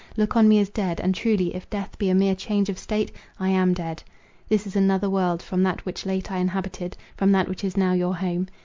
Look on me as dead; and truly if death be a mere change of state, I am dead. This is another world, from that which late I inhabited, from that which is now your home.